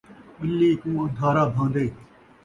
ٻلی کوں ان٘دھارا بھان٘دے